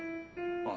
ああ